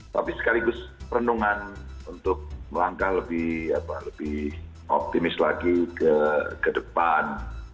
tapi sekaligus perenungan untuk melangkah lebih optimis lagi ke depan